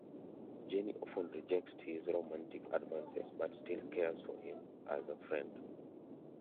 Jenny often rejects his romantic advances, but still cares for him as a friend.